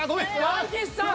大吉さん！